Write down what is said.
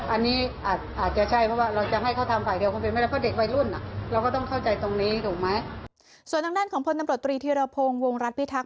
อันนี้อาจจะใช่เพราะว่าเราอยากให้เข้าทำภัยเดียวก็ไม่ได้